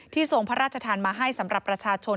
ทรงพระราชทานมาให้สำหรับประชาชน